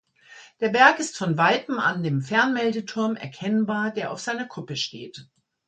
Der Berg ist von weitem an dem Fernmeldeturm erkennbar, der auf seiner Kuppe steht.